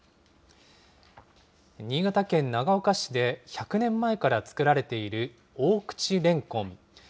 新潟県長岡市で、１００年前から作られている大口れんこん。